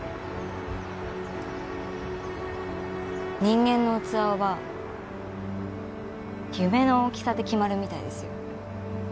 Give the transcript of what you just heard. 人間の器は夢の大きさで決まるみたいですよ。